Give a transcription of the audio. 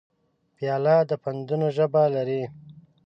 پیاله د پندونو ژبه لري.